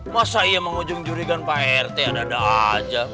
masa iya mengujung jurigan pak rt adada aja